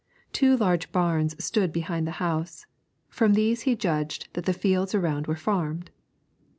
Two large barns stood behind the house; from these he judged that the fields around were farmed.